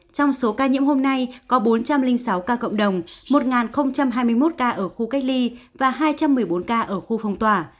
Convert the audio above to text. trong số ca nhiễm hôm nay có bốn trăm linh sáu ca cộng đồng một hai mươi một ca ở khu cách ly và hai trăm một mươi bốn ca ở khu phong tỏa